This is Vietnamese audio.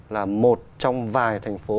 là một trong vài thành phố